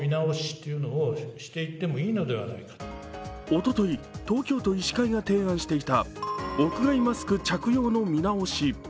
おととい、東京都医師会が提案していた屋外マスク着用の見直し。